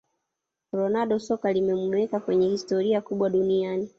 ronaldo soka limemuweka kwenye historia kubwa duniani